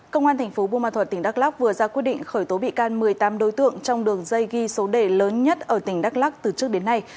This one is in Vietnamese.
công an thành phố bùa mà thuật tỉnh đắk lắk vừa ra quyết định khởi tố bị can một mươi tám đối tượng trong đường dây ghi số đề lớn nhất ở tỉnh đắk lắk từ trước đến nay